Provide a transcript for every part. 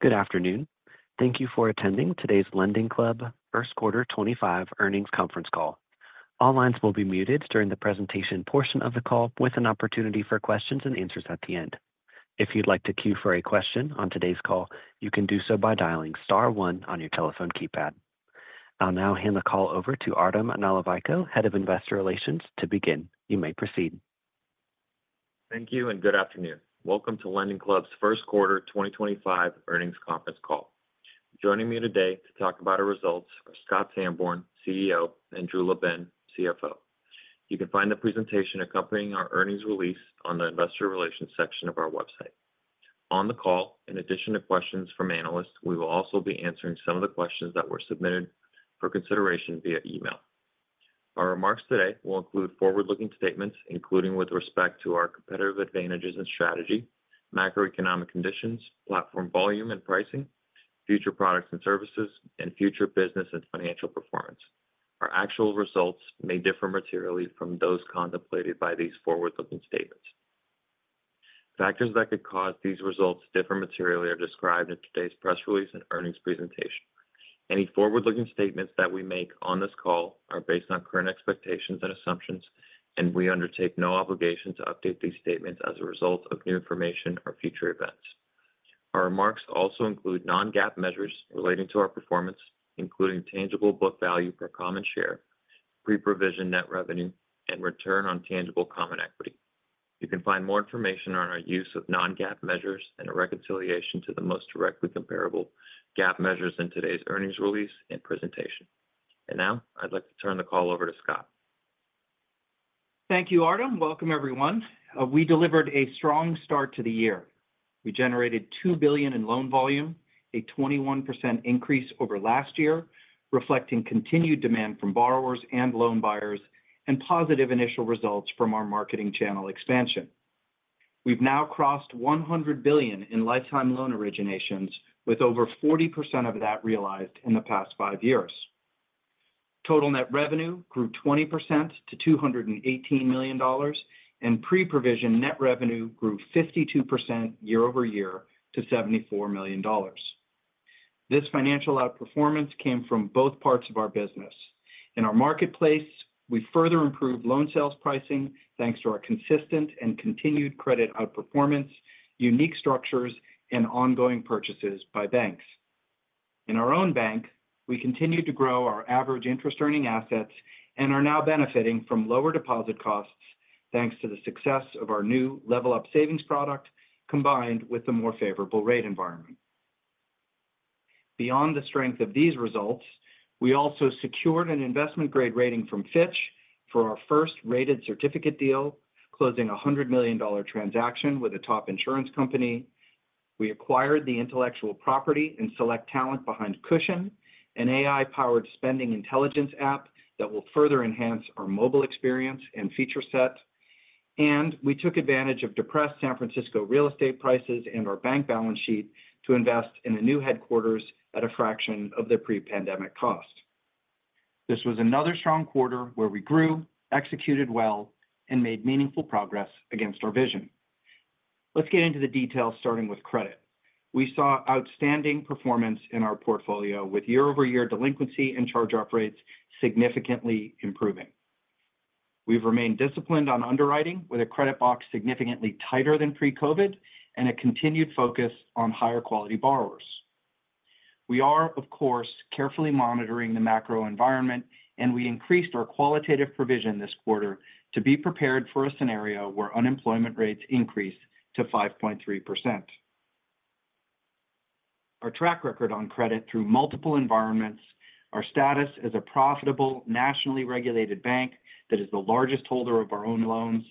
Good afternoon. Thank you for attending today's LendingClub First Quarter 2025 earnings conference call. All lines will be muted during the presentation portion of the call, with an opportunity for questions and answers at the end. If you'd like to queue for a question on today's call, you can do so by dialing star one on your telephone keypad. I'll now hand the call over to Artem Nalivayko, Head of Investor Relations, to begin. You may proceed. Thank you and good afternoon. Welcome to LendingClub's First Quarter 2025 earnings conference call. Joining me today to talk about our results are Scott Sanborn, CEO, and Drew LaBenne, CFO. You can find the presentation accompanying our earnings release on the Investor Relations section of our website. On the call, in addition to questions from analysts, we will also be answering some of the questions that were submitted for consideration via email. Our remarks today will include forward-looking statements, including with respect to our competitive advantages and strategy, macroeconomic conditions, platform volume and pricing, future products and services, and future business and financial performance. Our actual results may differ materially from those contemplated by these forward-looking statements. Factors that could cause these results to differ materially are described in today's press release and earnings presentation. Any forward-looking statements that we make on this call are based on current expectations and assumptions, and we undertake no obligation to update these statements as a result of new information or future events. Our remarks also include non-GAAP measures relating to our performance, including tangible book value per common share, pre-provision net revenue, and return on tangible common equity. You can find more information on our use of non-GAAP measures and a reconciliation to the most directly comparable GAAP measures in today's earnings release and presentation. I would like to turn the call over to Scott. Thank you, Artem. Welcome, everyone. We delivered a strong start to the year. We generated $2 billion in loan volume, a 21% increase over last year, reflecting continued demand from borrowers and loan buyers, and positive initial results from our marketing channel expansion. We've now crossed $100 billion in lifetime loan originations, with over 40% of that realized in the past five years. Total net revenue grew 20% to $218 million, and pre-provision net revenue grew 52% year over year to $74 million. This financial outperformance came from both parts of our business. In our marketplace, we further improved loan sales pricing thanks to our consistent and continued credit outperformance, unique structures, and ongoing purchases by banks. In our own bank, we continue to grow our average interest-earning assets and are now benefiting from lower deposit costs thanks to the success of our new Level Up savings product, combined with the more favorable rate environment. Beyond the strength of these results, we also secured an investment-grade rating from Fitch for our first rated certificate deal, closing a $100 million transaction with a top insurance company. We acquired the intellectual property and select talent behind Cushion, an AI-powered spending intelligence app that will further enhance our mobile experience and feature set. We took advantage of depressed San Francisco real estate prices and our bank balance sheet to invest in a new headquarters at a fraction of the pre-pandemic cost. This was another strong quarter where we grew, executed well, and made meaningful progress against our vision. Let's get into the details, starting with credit. We saw outstanding performance in our portfolio, with year-over-year delinquency and charge-off rates significantly improving. We've remained disciplined on underwriting, with a credit box significantly tighter than Pre-COVID and a continued focus on higher-quality borrowers. We are, of course, carefully monitoring the macro environment, and we increased our qualitative provision this quarter to be prepared for a scenario where unemployment rates increase to 5.3%. Our track record on credit through multiple environments, our status as a profitable nationally regulated bank that is the largest holder of our own loans,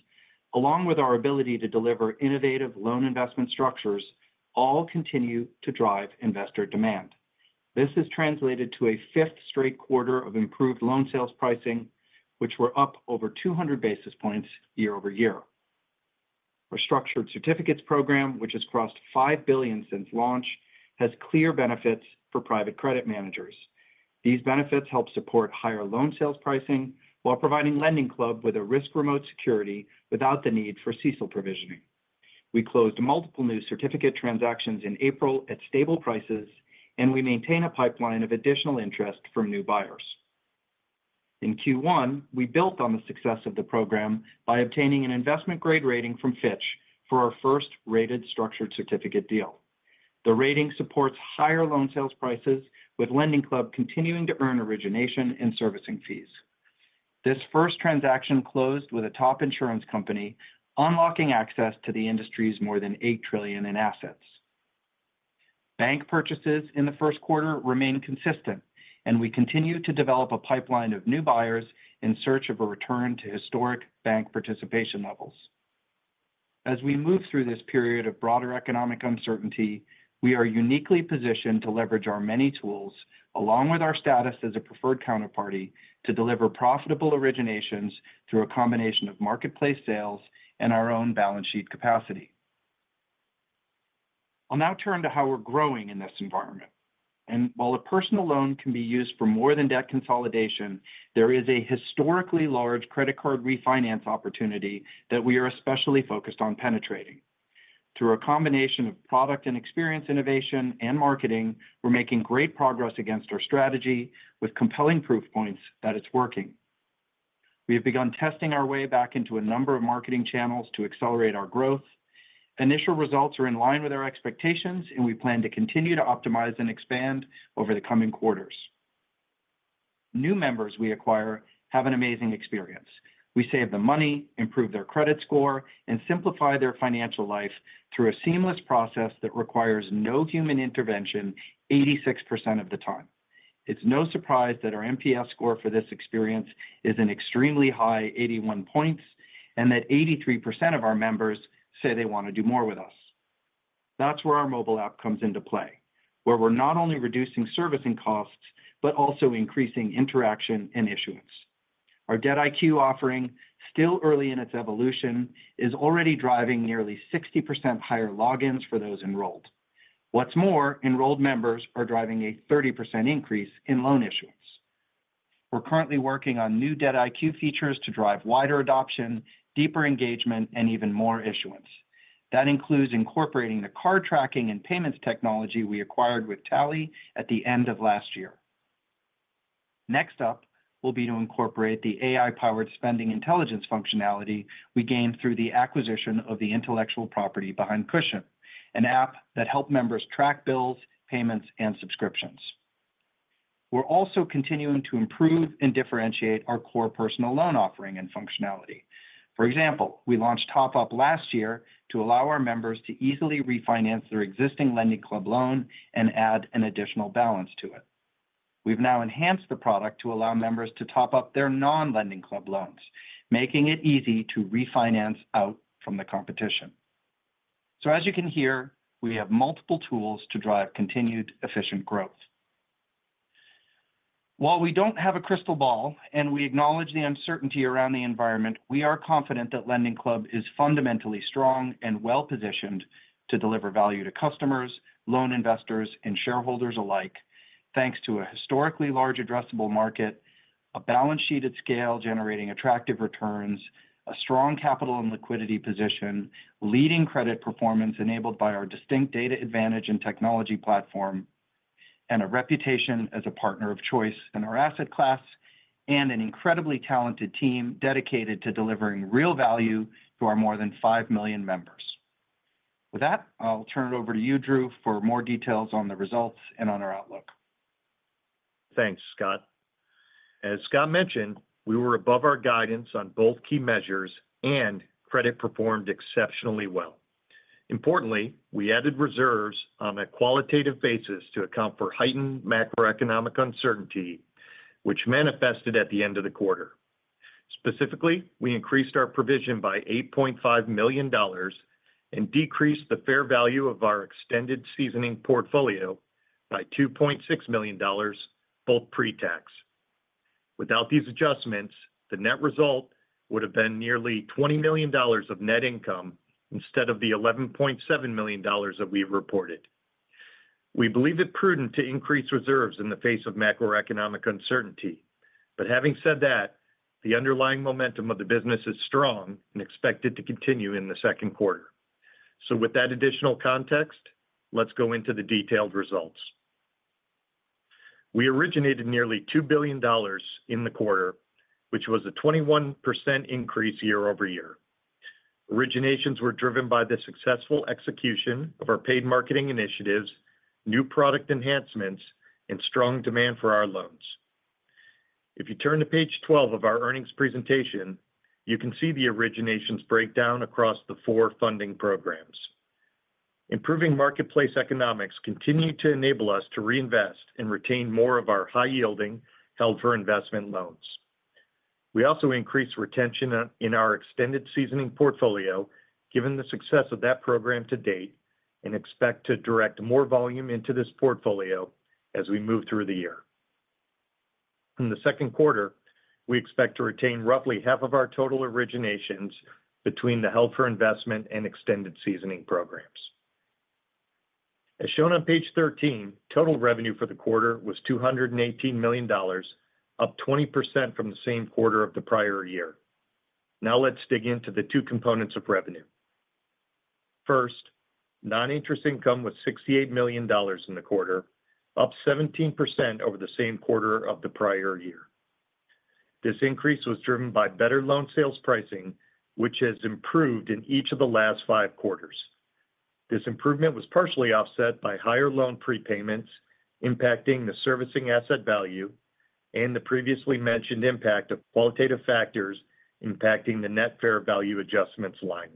along with our ability to deliver innovative loan investment structures, all continue to drive investor demand. This has translated to a fifth straight quarter of improved loan sales pricing, which were up over 200 basis points year over year. Our structured certificates program, which has crossed $5 billion since launch, has clear benefits for private credit managers. These benefits help support higher loan sales pricing while providing LendingClub with a risk-remote security without the need for CECL provisioning. We closed multiple new certificate transactions in April at stable prices, and we maintain a pipeline of additional interest from new buyers. In Q1, we built on the success of the program by obtaining an investment-grade rating from Fitch for our first rated structured certificate deal. The rating supports higher loan sales prices, with LendingClub continuing to earn origination and servicing fees. This first transaction closed with a top insurance company, unlocking access to the industry's more than $8 trillion in assets. Bank purchases in the first quarter remain consistent, and we continue to develop a pipeline of new buyers in search of a return to historic bank participation levels. As we move through this period of broader economic uncertainty, we are uniquely positioned to leverage our many tools, along with our status as a preferred counterparty, to deliver profitable originations through a combination of marketplace sales and our own balance sheet capacity. I will now turn to how we are growing in this environment. While a personal loan can be used for more than debt consolidation, there is a historically large credit card refinance opportunity that we are especially focused on penetrating. Through a combination of product and experience innovation and marketing, we are making great progress against our strategy with compelling proof points that it is working. We have begun testing our way back into a number of marketing channels to accelerate our growth. Initial results are in line with our expectations, and we plan to continue to optimize and expand over the coming quarters. New members we acquire have an amazing experience. We save them money, improve their credit score, and simplify their financial life through a seamless process that requires no human intervention 86% of the time. It's no surprise that our MPS score for this experience is an extremely high 81 points and that 83% of our members say they want to do more with us. That's where our mobile app comes into play, where we're not only reducing servicing costs but also increasing interaction and issuance. Our DebtIQ offering, still early in its evolution, is already driving nearly 60% higher logins for those enrolled. What's more, enrolled members are driving a 30% increase in loan issuance. We're currently working on new DebtIQ features to drive wider adoption, deeper engagement, and even more issuance. That includes incorporating the card tracking and payments technology we acquired with Tally at the end of last year. Next up will be to incorporate the AI-powered spending intelligence functionality we gained through the acquisition of the intellectual property behind Cushion, an app that helps members track bills, payments, and subscriptions. We're also continuing to improve and differentiate our core personal loan offering and functionality. For example, we launched Top Up last year to allow our members to easily refinance their existing LendingClub loan and add an additional balance to it. We've now enhanced the product to allow members to top up their non-LendingClub loans, making it easy to refinance out from the competition. As you can hear, we have multiple tools to drive continued efficient growth. While we don't have a crystal ball and we acknowledge the uncertainty around the environment, we are confident that LendingClub is fundamentally strong and well-positioned to deliver value to customers, loan investors, and shareholders alike, thanks to a historically large addressable market, a balance sheet at scale generating attractive returns, a strong capital and liquidity position, leading credit performance enabled by our distinct data advantage and technology platform, and a reputation as a partner of choice in our asset class, and an incredibly talented team dedicated to delivering real value to our more than 5 million members. With that, I'll turn it over to you, Drew, for more details on the results and on our outlook. Thanks, Scott. As Scott mentioned, we were above our guidance on both key measures and credit performed exceptionally well. Importantly, we added reserves on a qualitative basis to account for heightened macroeconomic uncertainty, which manifested at the end of the quarter. Specifically, we increased our provision by $8.5 million and decreased the fair value of our extended seasoning portfolio by $2.6 million, both pre-tax. Without these adjustments, the net result would have been nearly $20 million of net income instead of the $11.7 million that we reported. We believe it prudent to increase reserves in the face of macroeconomic uncertainty. Having said that, the underlying momentum of the business is strong and expected to continue in the second quarter. With that additional context, let's go into the detailed results. We originated nearly $2 billion in the quarter, which was a 21% increase year over year. Originations were driven by the successful execution of our paid marketing initiatives, new product enhancements, and strong demand for our loans. If you turn to page 12 of our earnings presentation, you can see the originations breakdown across the four funding programs. Improving marketplace economics continued to enable us to reinvest and retain more of our high-yielding held-for-investment loans. We also increased retention in our extended seasoning portfolio, given the success of that program to date, and expect to direct more volume into this portfolio as we move through the year. In the second quarter, we expect to retain roughly half of our total originations between the held-for-investment and extended seasoning programs. As shown on page 13, total revenue for the quarter was $218 million, up 20% from the same quarter of the prior year. Now, let's dig into the two components of revenue. First, non-interest income was $68 million in the quarter, up 17% over the same quarter of the prior year. This increase was driven by better loan sales pricing, which has improved in each of the last five quarters. This improvement was partially offset by higher loan prepayments impacting the servicing asset value and the previously mentioned impact of qualitative factors impacting the net fair value adjustments line.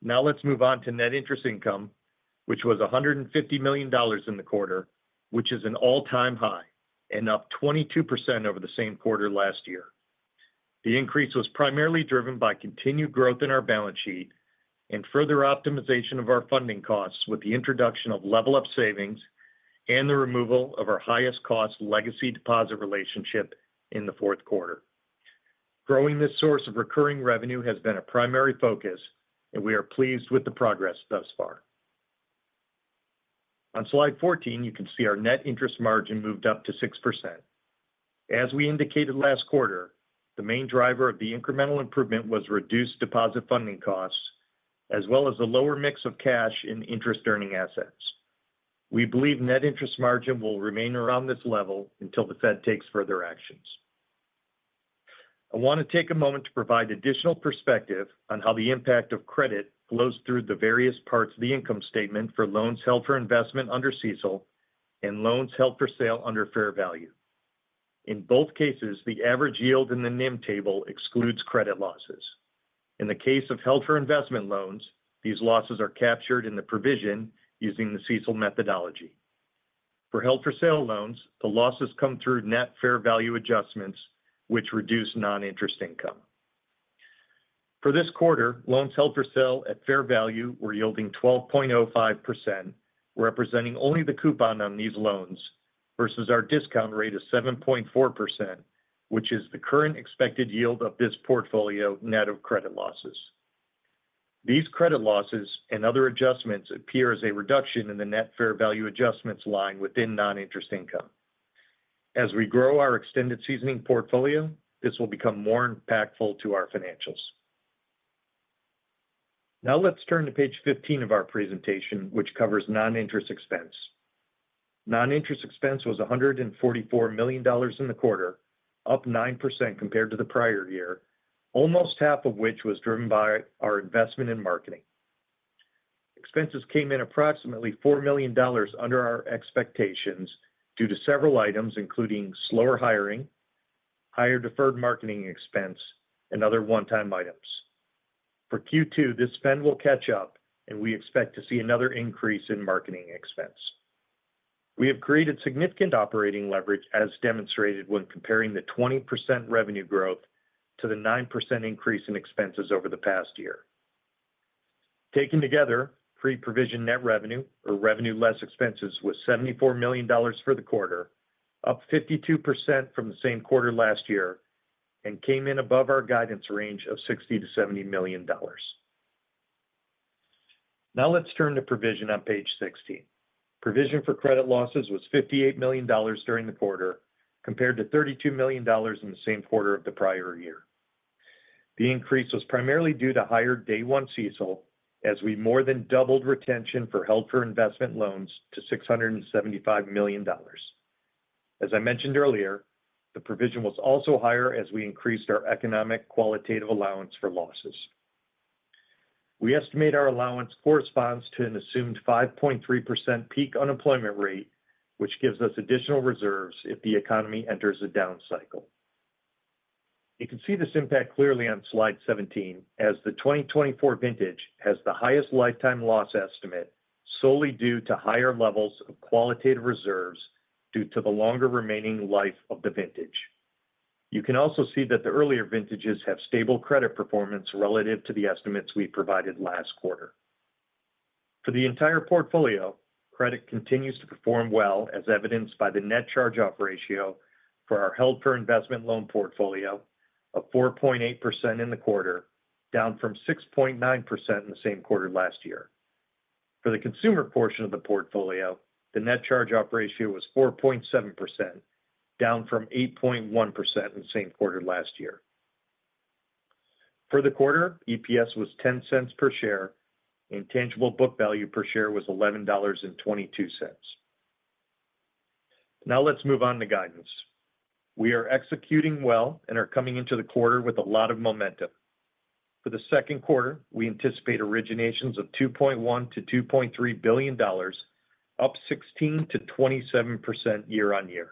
Now, let's move on to net interest income, which was $150 million in the quarter, which is an all-time high and up 22% over the same quarter last year. The increase was primarily driven by continued growth in our balance sheet and further optimization of our funding costs with the introduction of Level Up savings and the removal of our highest-cost legacy deposit relationship in the fourth quarter. Growing this source of recurring revenue has been a primary focus, and we are pleased with the progress thus far. On slide 14, you can see our net interest margin moved up to 6%. As we indicated last quarter, the main driver of the incremental improvement was reduced deposit funding costs, as well as a lower mix of cash and interest-earning assets. We believe net interest margin will remain around this level until the Fed takes further actions. I want to take a moment to provide additional perspective on how the impact of credit flows through the various parts of the income statement for loans held for investment under CECL and loans held for sale under fair value. In both cases, the average yield in the NIM table excludes credit losses. In the case of held-for-investment loans, these losses are captured in the provision using the CECL methodology. For held-for-sale loans, the losses come through net fair value adjustments, which reduce non-interest income. For this quarter, loans held for sale at fair value were yielding 12.05%, representing only the coupon on these loans, versus our discount rate of 7.4%, which is the current expected yield of this portfolio net of credit losses. These credit losses and other adjustments appear as a reduction in the net fair value adjustments line within non-interest income. As we grow our extended seasoning portfolio, this will become more impactful to our financials. Now, let's turn to page 15 of our presentation, which covers non-interest expense. Non-interest expense was $144 million in the quarter, up 9% compared to the prior year, almost half of which was driven by our investment in marketing. Expenses came in approximately $4 million under our expectations due to several items, including slower hiring, higher deferred marketing expense, and other one-time items. For Q2, this trend will catch up, and we expect to see another increase in marketing expense. We have created significant operating leverage, as demonstrated when comparing the 20% revenue growth to the 9% increase in expenses over the past year. Taken together, pre-provision net revenue, or revenue less expenses, was $74 million for the quarter, up 52% from the same quarter last year, and came in above our guidance range of $60 million-$70 million. Now, let's turn to provision on page 16. Provision for credit losses was $58 million during the quarter, compared to $32 million in the same quarter of the prior year. The increase was primarily due to higher day-one CECL, as we more than doubled retention for held-for-investment loans to $675 million. As I mentioned earlier, the provision was also higher as we increased our economic qualitative allowance for losses. We estimate our allowance corresponds to an assumed 5.3% peak unemployment rate, which gives us additional reserves if the economy enters a down cycle. You can see this impact clearly on slide 17, as the 2024 vintage has the highest lifetime loss estimate solely due to higher levels of qualitative reserves due to the longer remaining life of the vintage. You can also see that the earlier vintages have stable credit performance relative to the estimates we provided last quarter. For the entire portfolio, credit continues to perform well, as evidenced by the net charge-off ratio for our held-for-investment loan portfolio of 4.8% in the quarter, down from 6.9% in the same quarter last year. For the consumer portion of the portfolio, the net charge-off ratio was 4.7%, down from 8.1% in the same quarter last year. For the quarter, EPS was $0.10 per share, and tangible book value per share was $11.22. Now, let's move on to guidance. We are executing well and are coming into the quarter with a lot of momentum. For the second quarter, we anticipate originations of $2.1 billion-$2.3 billion, up 16%-27% year on year.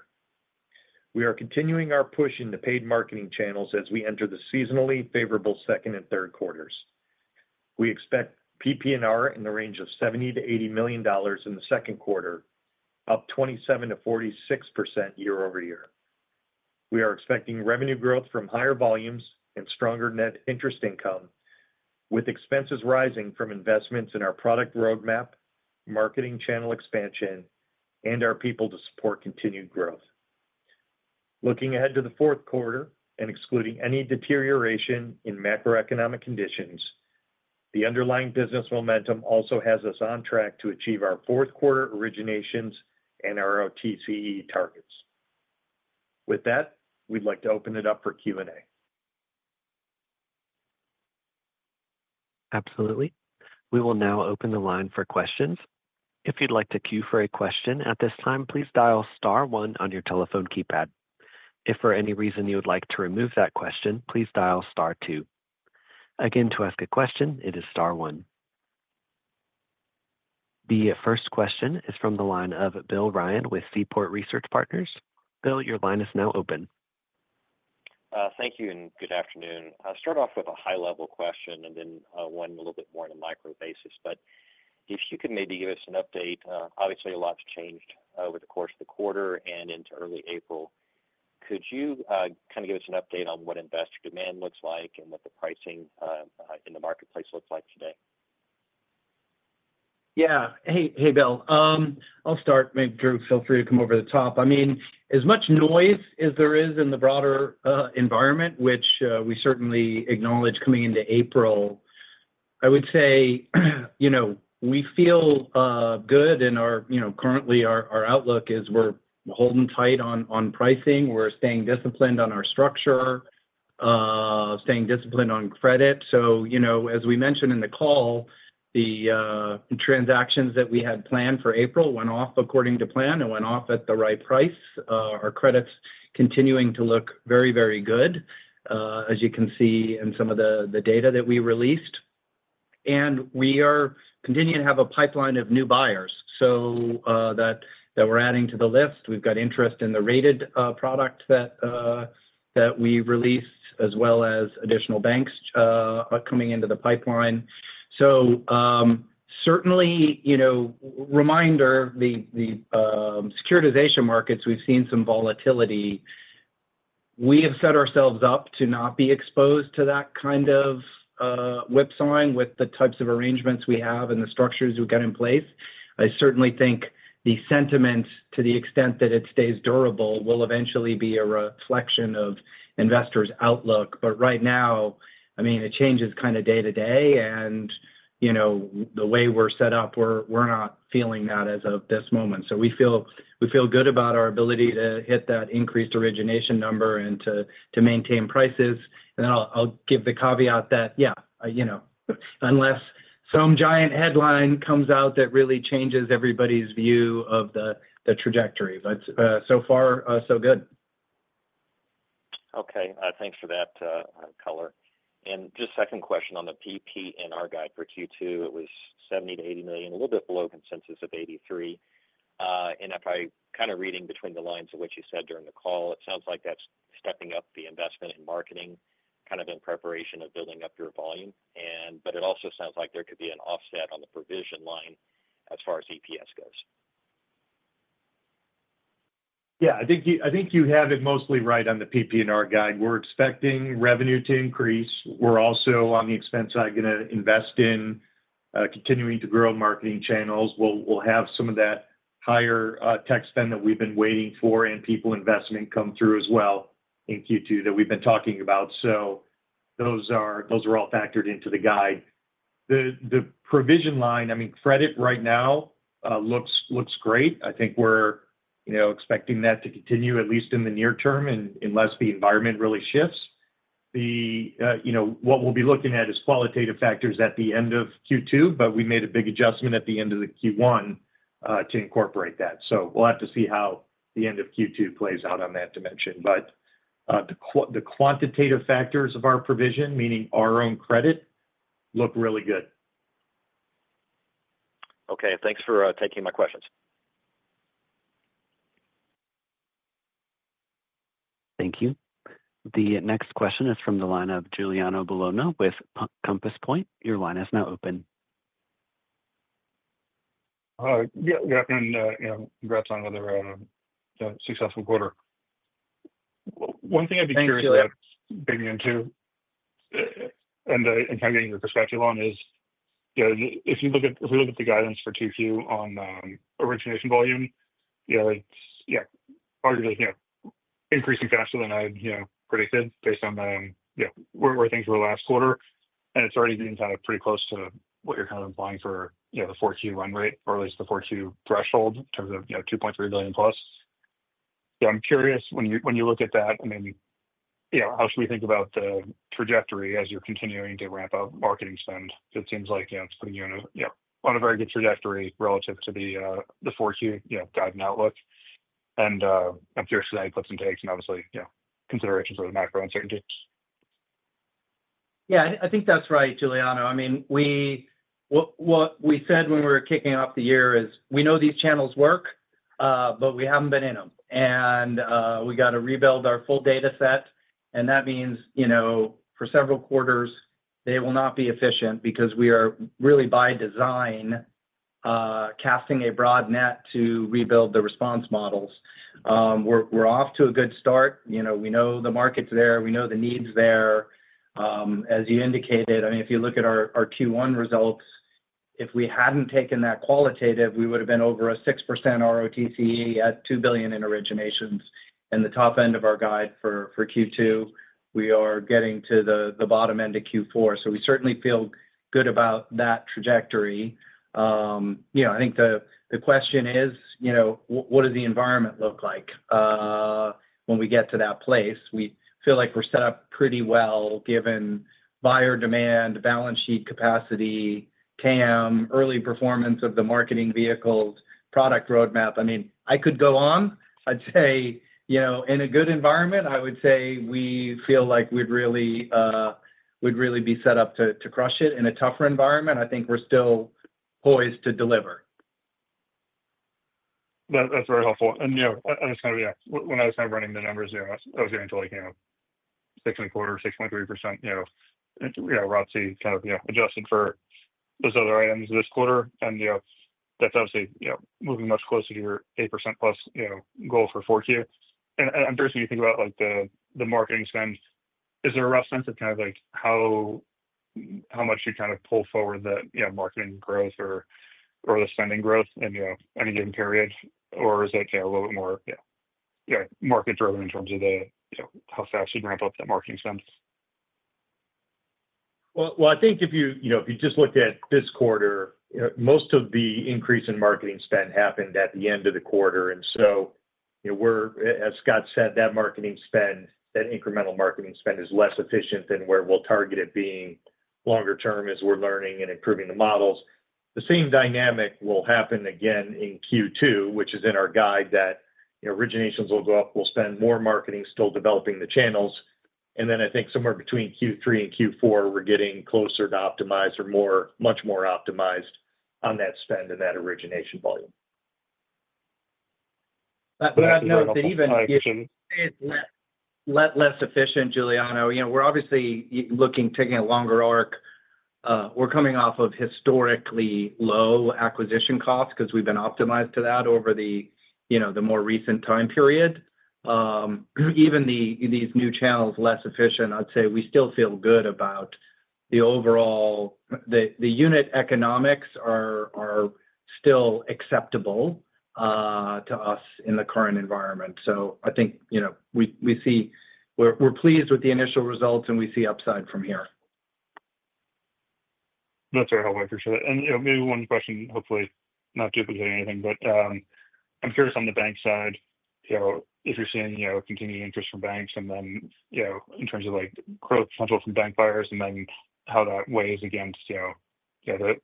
We are continuing our push in the paid marketing channels as we enter the seasonally favorable second and third quarters. We expect PPNR in the range of $70-$80 million in the second quarter, up 27%-46% year over year. We are expecting revenue growth from higher volumes and stronger net interest income, with expenses rising from investments in our product roadmap, marketing channel expansion, and our people to support continued growth. Looking ahead to the fourth quarter and excluding any deterioration in macroeconomic conditions, the underlying business momentum also has us on track to achieve our fourth quarter originations and our ROTCE targets. With that, we'd like to open it up for Q&A. Absolutely. We will now open the line for questions. If you'd like to queue for a question at this time, please dial star one on your telephone keypad. If for any reason you would like to remove that question, please dial star two. Again, to ask a question, it is star one. The first question is from the line of Will Ryan with Seaport Research Partners. Will, your line is now open. Thank you and good afternoon. I'll start off with a high-level question and then one a little bit more on a micro basis. If you could maybe give us an update, obviously a lot's changed over the course of the quarter and into early April. Could you kind of give us an update on what investor demand looks like and what the pricing in the marketplace looks like today? Yeah. Hey, Will. I'll start. Maybe Drew, feel free to come over the top. I mean, as much noise as there is in the broader environment, which we certainly acknowledge coming into April, I would say we feel good. Currently, our outlook is we're holding tight on pricing. We're staying disciplined on our structure, staying disciplined on credit. As we mentioned in the call, the transactions that we had planned for April went off according to plan and went off at the right price. Our credits are continuing to look very, very good, as you can see in some of the data that we released. We are continuing to have a pipeline of new buyers that we're adding to the list. We've got interest in the rated product that we released, as well as additional banks coming into the pipeline. Certainly, reminder, the securitization markets, we've seen some volatility. We have set ourselves up to not be exposed to that kind of whipsawing with the types of arrangements we have and the structures we've got in place. I certainly think the sentiment, to the extent that it stays durable, will eventually be a reflection of investors' outlook. Right now, I mean, it changes kind of day to day. The way we're set up, we're not feeling that as of this moment. We feel good about our ability to hit that increased origination number and to maintain prices. I'll give the caveat that, yeah, unless some giant headline comes out that really changes everybody's view of the trajectory. So far, so good. Okay. Thanks for that, color. Just second question on the PPNR guide for Q2, it was $70 million-$80 million, a little bit below consensus of $83 million. If I'm kind of reading between the lines of what you said during the call, it sounds like that's stepping up the investment in marketing kind of in preparation of building up your volume. It also sounds like there could be an offset on the provision line as far as EPS goes. Yeah. I think you have it mostly right on the PP&R guide. We're expecting revenue to increase. We're also, on the expense side, going to invest in continuing to grow marketing channels. We'll have some of that higher tech spend that we've been waiting for and people investment come through as well in Q2 that we've been talking about. Those are all factored into the guide. The provision line, I mean, credit right now looks great. I think we're expecting that to continue, at least in the near term, unless the environment really shifts. What we'll be looking at is qualitative factors at the end of Q2, but we made a big adjustment at the end of Q1 to incorporate that. We'll have to see how the end of Q2 plays out on that dimension. The quantitative factors of our provision, meaning our own credit, look really good. Okay. Thanks for taking my questions. Thank you. The next question is from the line of Giuliano Bologna with Compass Point. Your line is now open. Yeah. Good afternoon. Congrats on another successful quarter. One thing I'd be curious about digging into and kind of getting your perspective on is, if you look at the guidance for Q2 on origination volume, yeah, it's arguably increasing faster than I had predicted based on where things were last quarter. It's already been kind of pretty close to what you're kind of implying for the Q4 run rate or at least the Q4 threshold in terms of $2.3 million plus. Yeah. I'm curious, when you look at that, I mean, how should we think about the trajectory as you're continuing to ramp up marketing spend? It seems like it's putting you on a very good trajectory relative to the Q4 guidance outlook. I'm curious to say puts and takes and obviously considerations of the macro uncertainty. Yeah. I think that's right, Giuliano. I mean, what we said when we were kicking off the year is we know these channels work, but we haven't been in them. We got to rebuild our full data set. That means for several quarters, they will not be efficient because we are really, by design, casting a broad net to rebuild the response models. We're off to a good start. We know the market's there. We know the need's there. As you indicated, I mean, if you look at our Q1 results, if we hadn't taken that qualitative, we would have been over a 6% ROTCE at $2 billion in originations. The top end of our guide for Q2, we are getting to the bottom end of Q4. We certainly feel good about that trajectory. I think the question is, what does the environment look like when we get to that place? We feel like we're set up pretty well given buyer demand, balance sheet capacity, TAM, early performance of the marketing vehicles, product roadmap. I mean, I could go on. I'd say in a good environment, I would say we feel like we'd really be set up to crush it. In a tougher environment, I think we're still poised to deliver. That's very helpful. Yeah, I was kind of, yeah, when I was kind of running the numbers, I was getting to like 6.25%-6.3%, ROTCE kind of adjusted for those other items this quarter. That's obviously moving much closer to your 8% plus goal for Q4. I'm curious when you think about the marketing spend, is there a rough sense of kind of like how much you kind of pull forward the marketing growth or the spending growth in any given period? Or is it a little bit more, yeah, market-driven in terms of how fast you ramp up that marketing spend? I think if you just look at this quarter, most of the increase in marketing spend happened at the end of the quarter. As Scott said, that marketing spend, that incremental marketing spend is less efficient than where we'll target it being longer term as we're learning and improving the models. The same dynamic will happen again in Q2, which is in our guide that originations will go up, we'll spend more marketing still developing the channels. I think somewhere between Q3 and Q4, we're getting closer to optimized or much more optimized on that spend and that origination volume. I'd note that even if you say it's less efficient, Giuliano, we're obviously looking, taking a longer arc. We're coming off of historically low acquisition costs because we've been optimized to that over the more recent time period. Even these new channels, less efficient, I'd say we still feel good about the overall. The unit economics are still acceptable to us in the current environment. I think we see we're pleased with the initial results and we see upside from here. That's very helpful. I appreciate it. Maybe one question, hopefully not duplicating anything, but I'm curious on the bank side, if you're seeing continued interest from banks and then in terms of growth potential from bank buyers and then how that weighs against the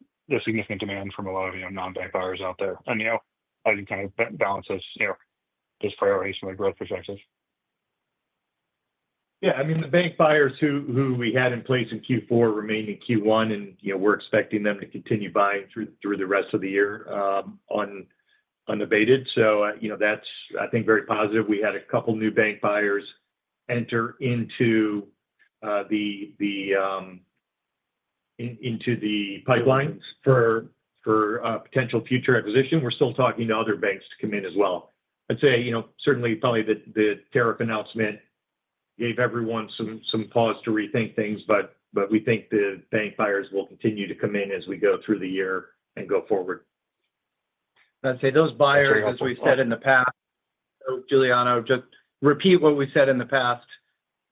significant demand from a lot of non-bank buyers out there. How do you kind of balance this priority from a growth perspective? Yeah. I mean, the bank buyers who we had in place in Q4 remained in Q1 and we're expecting them to continue buying through the rest of the year unabated. That is, I think, very positive. We had a couple of new bank buyers enter into the pipelines for potential future acquisition. We're still talking to other banks to come in as well. I'd say certainly probably the tariff announcement gave everyone some pause to rethink things, but we think the bank buyers will continue to come in as we go through the year and go forward. I'd say those buyers, as we've said in the past, Giuliano, just repeat what we said in the past.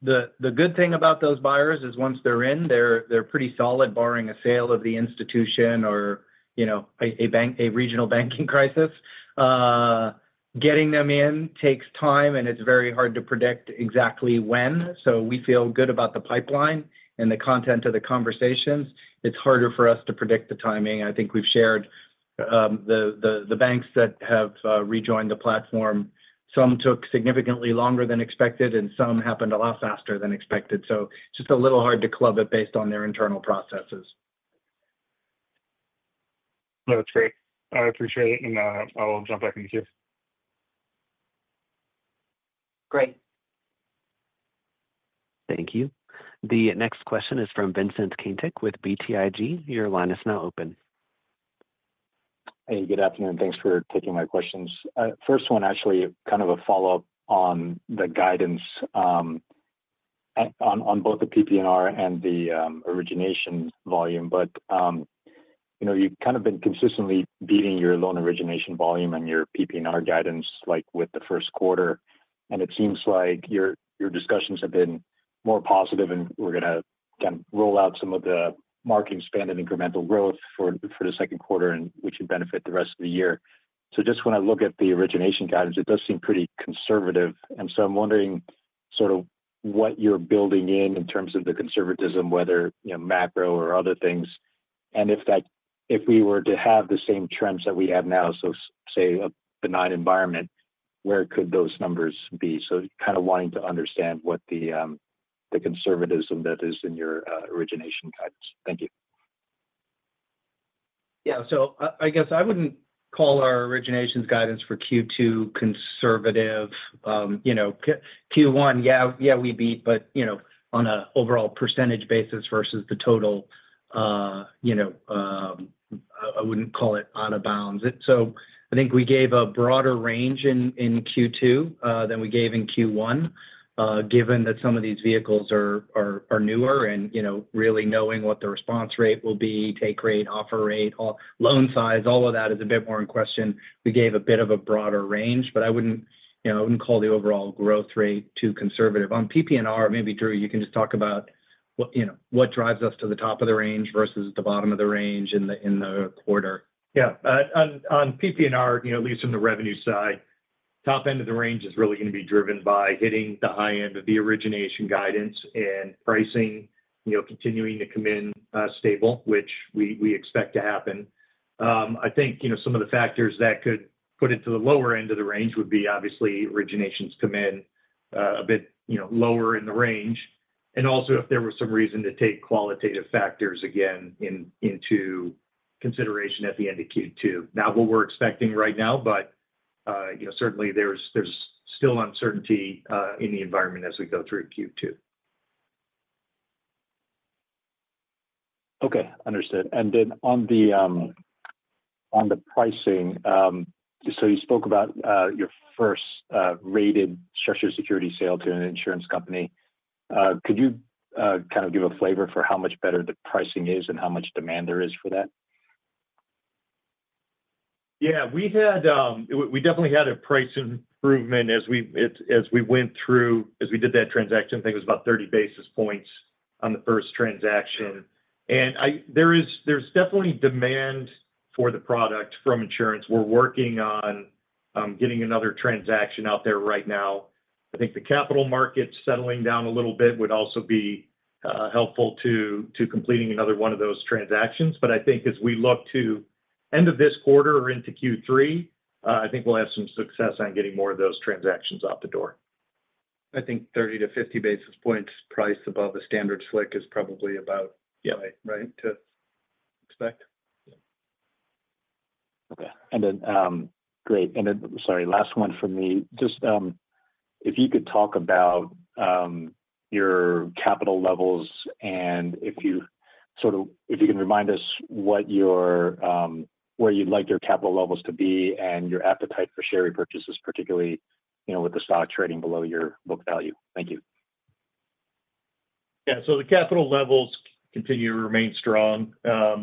The good thing about those buyers is once they're in, they're pretty solid barring a sale of the institution or a regional banking crisis. Getting them in takes time and it's very hard to predict exactly when. We feel good about the pipeline and the content of the conversations. It's harder for us to predict the timing. I think we've shared the banks that have rejoined the platform, some took significantly longer than expected and some happened a lot faster than expected. It's just a little hard to club it based on their internal processes. That's great. I appreciate it. I will jump back into Q. Great. Thank you. The next question is from Vincent Caintic with BTIG. Your line is now open. Hey, good afternoon. Thanks for taking my questions. First one, actually kind of a follow-up on the guidance on both the PP&R and the origination volume. You have kind of been consistently beating your loan origination volume and your PP&R guidance with the first quarter. It seems like your discussions have been more positive and we are going to kind of roll out some of the marketing spend and incremental growth for the second quarter, which would benefit the rest of the year. Just when I look at the origination guidance, it does seem pretty conservative. I am wondering sort of what you are building in in terms of the conservatism, whether macro or other things. If we were to have the same trends that we have now, say a benign environment, where could those numbers be? Kind of wanting to understand what the conservatism that is in your origination guidance. Thank you. Yeah. I guess I wouldn't call our originations guidance for Q2 conservative. Q1, yeah, we beat, but on an overall percentage basis versus the total, I wouldn't call it out of bounds. I think we gave a broader range in Q2 than we gave in Q1, given that some of these vehicles are newer and really knowing what the response rate will be, take rate, offer rate, loan size, all of that is a bit more in question. We gave a bit of a broader range, but I wouldn't call the overall growth rate too conservative. On PP&R, maybe Drew, you can just talk about what drives us to the top of the range versus the bottom of the range in the quarter. Yeah. On PPNR, at least on the revenue side, top end of the range is really going to be driven by hitting the high end of the origination guidance and pricing continuing to come in stable, which we expect to happen. I think some of the factors that could put it to the lower end of the range would be obviously originations come in a bit lower in the range. Also, if there was some reason to take qualitative factors again into consideration at the end of Q2. Not what we're expecting right now, but certainly there's still uncertainty in the environment as we go through Q2. Okay. Understood. On the pricing, you spoke about your first rated structured security sale to an insurance company. Could you kind of give a flavor for how much better the pricing is and how much demand there is for that? Yeah. We definitely had a price improvement as we went through, as we did that transaction. I think it was about 30 basis points on the first transaction. There is definitely demand for the product from insurance. We are working on getting another transaction out there right now. I think the capital markets settling down a little bit would also be helpful to completing another one of those transactions. I think as we look to end of this quarter or into Q3, I think we will have some success on getting more of those transactions out the door. I think 30-50 basis points price above the standard slick is probably about right to expect. Okay. Great. Sorry, last one for me. Just if you could talk about your capital levels and if you sort of, if you can remind us where you'd like your capital levels to be and your appetite for share repurchases, particularly with the stock trading below your book value. Thank you. Yeah. The capital levels continue to remain strong.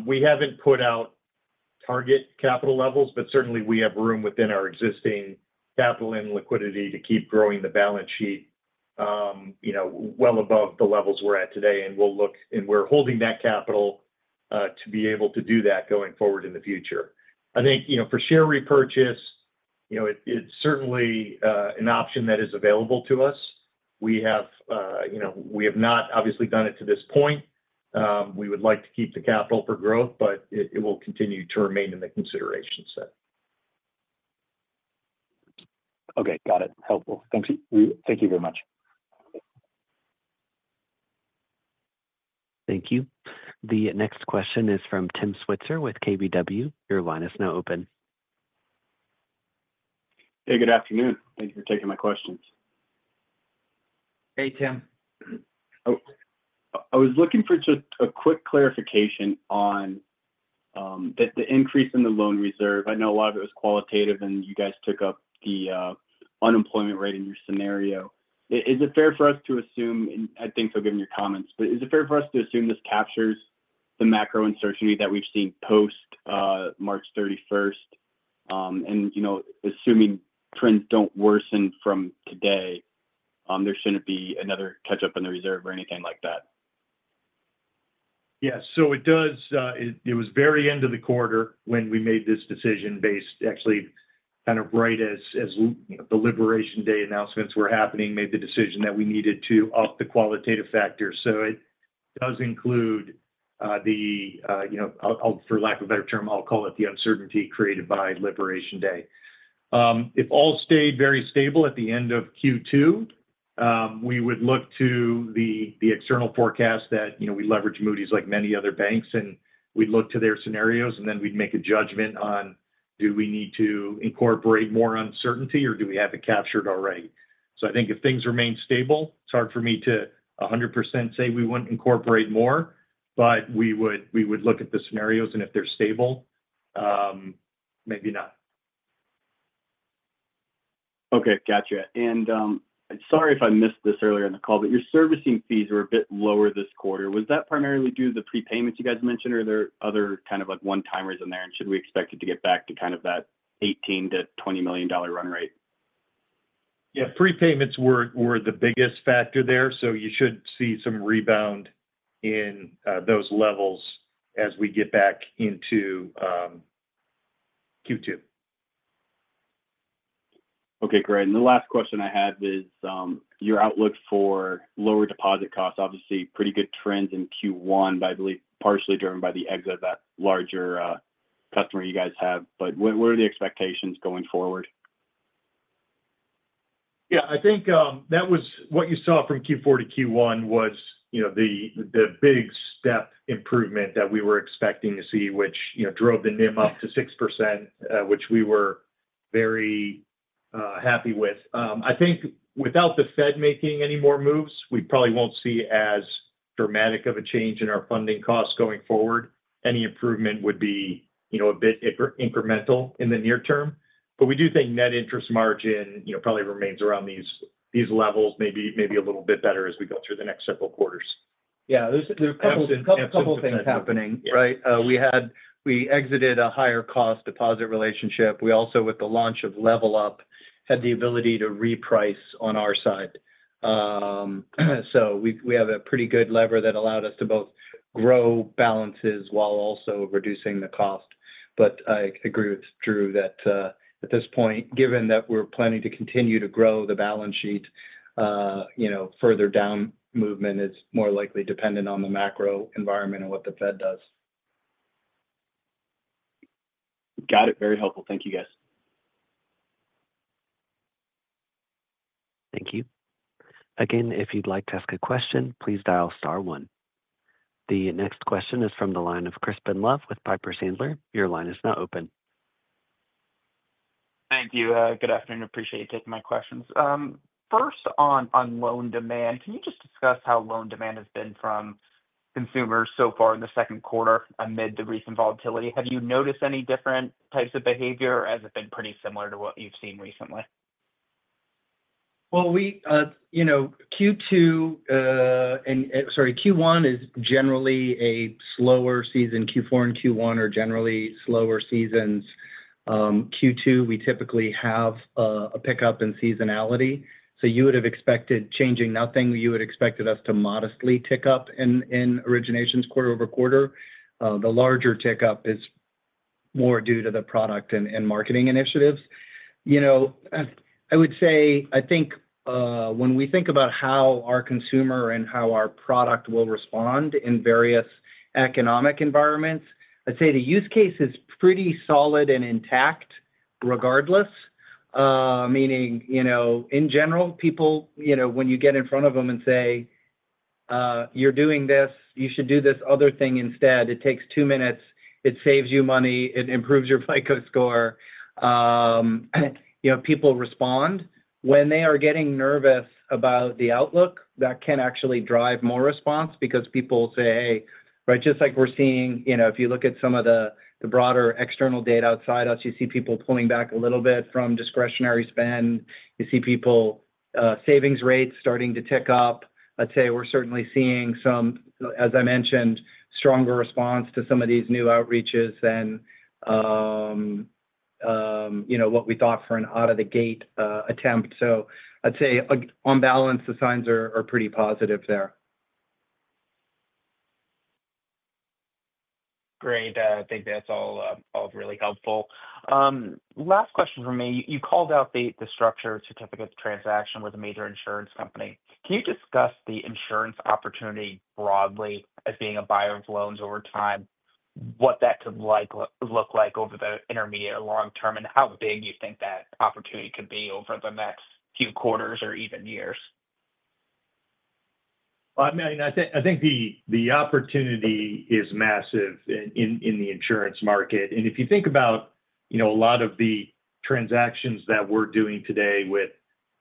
We haven't put out target capital levels, but certainly we have room within our existing capital and liquidity to keep growing the balance sheet well above the levels we're at today. We're holding that capital to be able to do that going forward in the future. I think for share repurchase, it's certainly an option that is available to us. We have not obviously done it to this point. We would like to keep the capital for growth, but it will continue to remain in the consideration set. Okay. Got it. Helpful. Thank you very much. Thank you. The next question is from Tim Switzer with KBW. Your line is now open. Hey, good afternoon. Thank you for taking my questions. Hey, Tim. I was looking for just a quick clarification on the increase in the loan reserve. I know a lot of it was qualitative and you guys took up the unemployment rate in your scenario. Is it fair for us to assume, and I think I'll give you your comments, is it fair for us to assume this captures the macro uncertainty that we've seen post-March 31st? Assuming trends don't worsen from today, there shouldn't be another catch-up in the reserve or anything like that. Yeah. It was very end of the quarter when we made this decision based, actually kind of right as the Liberation Day announcements were happening, made the decision that we needed to up the qualitative factors. It does include the, for lack of a better term, I'll call it the uncertainty created by Liberation Day. If all stayed very stable at the end of Q2, we would look to the external forecast that we leverage Moody's like many other banks and we'd look to their scenarios and then we'd make a judgment on do we need to incorporate more uncertainty or do we have it captured already? I think if things remain stable, it's hard for me to 100% say we wouldn't incorporate more, but we would look at the scenarios and if they're stable, maybe not. Okay. Gotcha. Sorry if I missed this earlier in the call, but your servicing fees were a bit lower this quarter. Was that primarily due to the prepayments you guys mentioned or are there other kind of like one-timers in there and should we expect it to get back to kind of that $18 million-$20 million run rate? Yeah. Prepayments were the biggest factor there. You should see some rebound in those levels as we get back into Q2. Okay. Great. The last question I have is your outlook for lower deposit costs. Obviously, pretty good trends in Q1, but I believe partially driven by the exit of that larger customer you guys have. What are the expectations going forward? Yeah. I think that was what you saw from Q4 to Q1 was the big step improvement that we were expecting to see, which drove the NIM up to 6%, which we were very happy with. I think without the Fed making any more moves, we probably won't see as dramatic of a change in our funding costs going forward. Any improvement would be a bit incremental in the near term. We do think net interest margin probably remains around these levels, maybe a little bit better as we go through the next several quarters. Yeah. There's a couple of things happening, right? We exited a higher cost deposit relationship. We also, with the launch of Level Up, had the ability to reprice on our side. We have a pretty good lever that allowed us to both grow balances while also reducing the cost. I agree with Drew that at this point, given that we're planning to continue to grow the balance sheet, further down movement is more likely dependent on the macro environment and what the Fed does. Got it. Very helpful. Thank you, guys. Thank you. Again, if you'd like to ask a question, please dial star one. The next question is from the line of Crispin Love with Piper Sandler. Your line is now open. Thank you. Good afternoon. Appreciate you taking my questions. First, on loan demand, can you just discuss how loan demand has been from consumers so far in the second quarter amid the recent volatility? Have you noticed any different types of behavior or has it been pretty similar to what you've seen recently? Q2 and sorry, Q1 is generally a slower season. Q4 and Q1 are generally slower seasons. Q2, we typically have a pickup in seasonality. You would have expected, changing nothing, you would expect us to modestly tick up in originations quarter over quarter. The larger tick up is more due to the product and marketing initiatives. I would say, I think when we think about how our consumer and how our product will respond in various economic environments, I'd say the use case is pretty solid and intact regardless. Meaning, in general, people, when you get in front of them and say, "You're doing this, you should do this other thing instead. It takes two minutes. It saves you money. It improves your FICO score." People respond. When they are getting nervous about the outlook, that can actually drive more response because people say, "Hey." Right? Just like we're seeing, if you look at some of the broader external data outside us, you see people pulling back a little bit from discretionary spend. You see people, savings rates starting to tick up. I'd say we're certainly seeing some, as I mentioned, stronger response to some of these new outreaches than what we thought for an out-of-the-gate attempt. I'd say on balance, the signs are pretty positive there. Great. I think that's all really helpful. Last question for me. You called out the structured certificate transaction with a major insurance company. Can you discuss the insurance opportunity broadly as being a buyer of loans over time, what that could look like over the intermediate or long term, and how big you think that opportunity could be over the next few quarters or even years? I mean, I think the opportunity is massive in the insurance market. If you think about a lot of the transactions that we're doing today with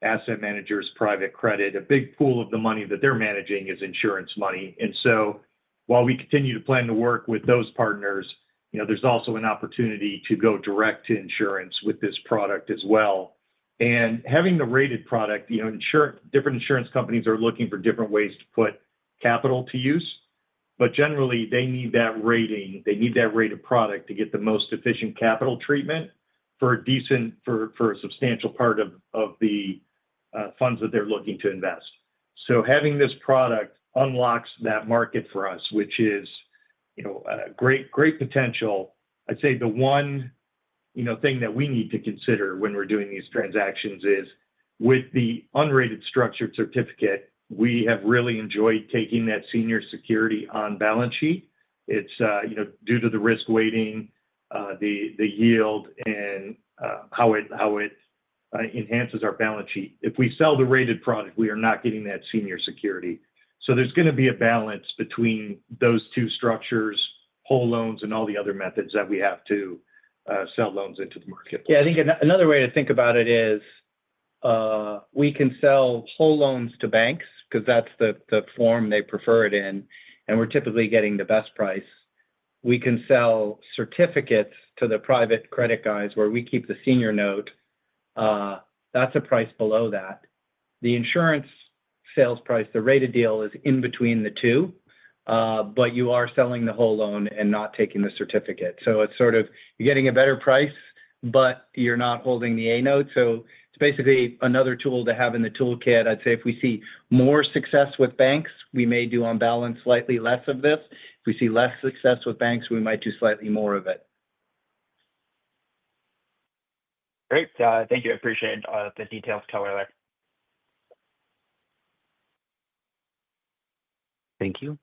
Asset Managers Private Credit, a big pool of the money that they're managing is insurance money. While we continue to plan to work with those partners, there's also an opportunity to go direct to insurance with this product as well. Having the rated product, different insurance companies are looking for different ways to put capital to use. Generally, they need that rating. They need that rated product to get the most efficient capital treatment for a substantial part of the funds that they're looking to invest. Having this product unlocks that market for us, which is great potential. I'd say the one thing that we need to consider when we're doing these transactions is with the unrated structured certificate, we have really enjoyed taking that senior security on balance sheet. It's due to the risk weighting, the yield, and how it enhances our balance sheet. If we sell the rated product, we are not getting that senior security. There is going to be a balance between those two structures, whole loans, and all the other methods that we have to sell loans into the marketplace. Yeah. I think another way to think about it is we can sell whole loans to banks because that's the form they prefer it in, and we're typically getting the best price. We can sell certificates to the private credit guys where we keep the senior note. That's a price below that. The insurance sales price, the rated deal is in between the two, but you are selling the whole loan and not taking the certificate. You are getting a better price, but you're not holding the A note. It's basically another tool to have in the toolkit. I'd say if we see more success with banks, we may do on balance slightly less of this. If we see less success with banks, we might do slightly more of it. Great. Thank you. I appreciate the details, color there. Thank you.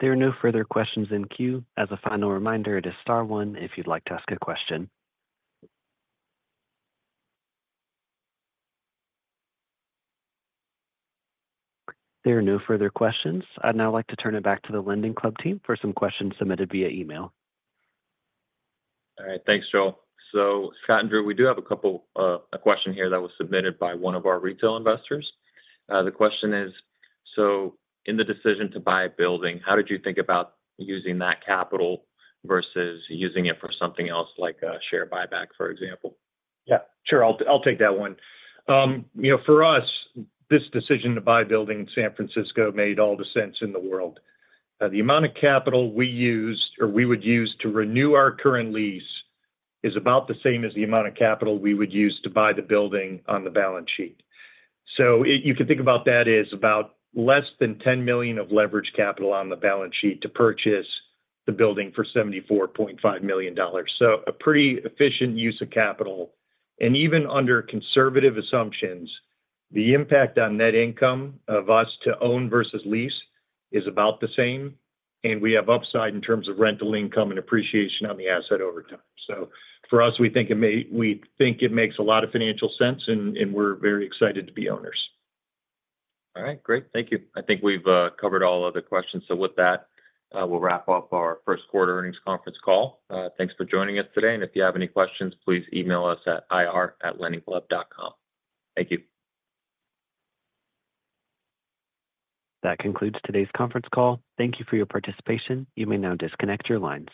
There are no further questions in queue. As a final reminder, it is star one if you'd like to ask a question. There are no further questions. I'd now like to turn it back to the LendingClub team for some questions submitted via email. All right. Thanks, Joel. Scott and Drew, we do have a couple of questions here that were submitted by one of our retail investors. The question is, in the decision to buy a building, how did you think about using that capital versus using it for something else like a share buyback, for example? Yeah. Sure. I'll take that one. For us, this decision to buy a building in San Francisco made all the sense in the world. The amount of capital we used or we would use to renew our current lease is about the same as the amount of capital we would use to buy the building on the balance sheet. You can think about that as about less than $10 million of leverage capital on the balance sheet to purchase the building for $74.5 million. A pretty efficient use of capital. Even under conservative assumptions, the impact on net income of us to own versus lease is about the same. We have upside in terms of rental income and appreciation on the asset over time. For us, we think it makes a lot of financial sense, and we're very excited to be owners. All right. Great. Thank you. I think we've covered all other questions. With that, we'll wrap up our first quarter earnings conference call. Thanks for joining us today. If you have any questions, please email us at ir@lendingclub.com. Thank you. That concludes today's conference call. Thank you for your participation. You may now disconnect your lines.